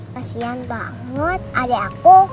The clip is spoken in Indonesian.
kasian banget adik aku